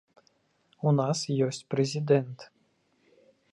У нас ёсць прэзідэнт.